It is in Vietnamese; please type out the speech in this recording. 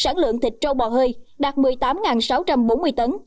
sản lượng thịt trâu bò hơi đạt một mươi tám sáu trăm bốn mươi tấn